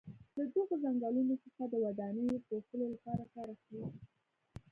له دغو څنګلونو څخه د ودانیو پوښلو لپاره کار اخلي.